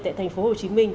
tại thành phố hồ chí minh